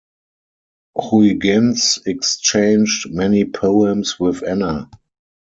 Huygens exchanged many poems with Anna.